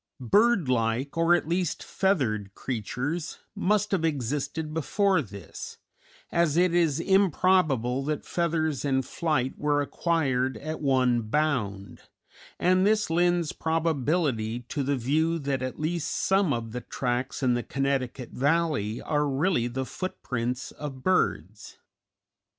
Bird like, or at least feathered, creatures, must have existed before this, as it is improbable that feathers and flight were acquired at one bound, and this lends probability to the view that at least some of the tracks in the Connecticut Valley are really the footprints of birds.